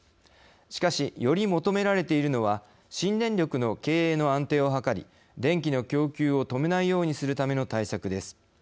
しかし、より求められているのは新電力の経営の安定を図り電気の供給を止めないようにするための対策です。